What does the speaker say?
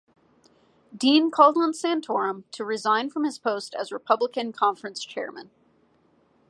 Dean called on Santorum, to resign from his post as Republican Conference chairman.